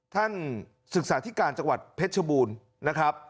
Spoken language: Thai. ท่านศึกษาธิการจังหวัดเพชรบูรณ์นะครับ